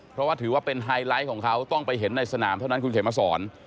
เพราะว่าถือว่าเป็นไฮไลท์ของเขาต้องไปเห็นในสนามเท่านั้นคุณเขมสอน